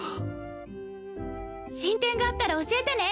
進展があったら教えてね！